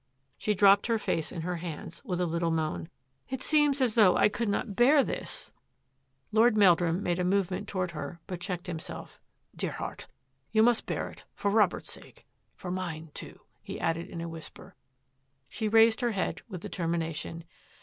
She dropped her face in her hands with a little moan. " It seems as though I could not bear this !" Lord Meldrum made a movement toward her, but checked himself. " Dear heart, you must bear it for Robert's sake — for mine, too," he added in a whisper. She raised her head with determination.